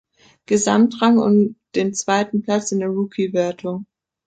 Gesamtrang und dem zweiten Platz in der "Rookie"-Wertung.